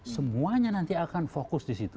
semuanya nanti akan fokus disitu